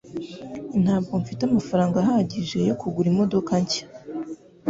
Ntabwo mfite amafaranga ahagije yo kugura imodoka nshya.